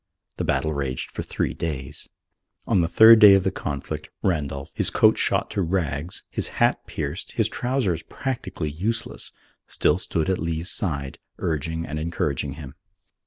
The battle raged for three days. On the third day of the conflict, Randolph, his coat shot to rags, his hat pierced, his trousers practically useless, still stood at Lee's side, urging and encouraging him.